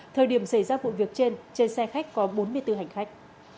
thời điểm xảy ra vụ việc trên trên xe khách có bốn mươi bốn hành khách